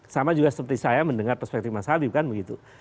sama juga seperti saya mendengar perspektif mas habib kan begitu